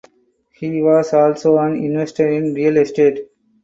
He was also an investor in real estate.